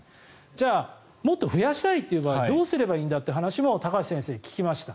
じゃあもっと増やしたいという場合にどうすればいいんだという話も高橋先生に聞きました。